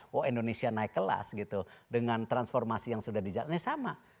wah indonesia naik kelas gitu dengan transformasi yang sudah dijalankan sama